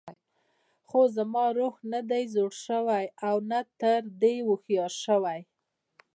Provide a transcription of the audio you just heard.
خو زما روح نه دی زوړ شوی او نه تر دې هوښیار شوی.